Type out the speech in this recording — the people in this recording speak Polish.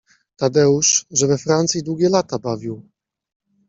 Tadeusz, że we Francji długie lata bawił